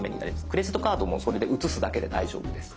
クレジットカードもそれで写すだけで大丈夫です。